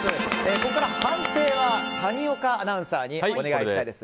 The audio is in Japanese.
ここから判定は谷岡アナウンサーにお願いします。